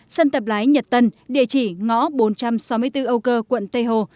sân tập lái nhật tân địa chỉ ngõ bốn trăm sáu mươi bốn âu cơ quận tây hồ